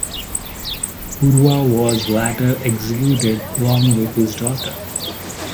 Urwa was later executed along with his daughter.